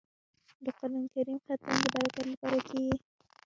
د قران کریم ختم د برکت لپاره کیږي.